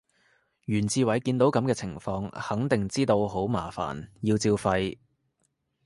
袁志偉見到噉嘅情況肯定知道好麻煩，要照肺